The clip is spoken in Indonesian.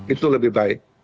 itu lebih baik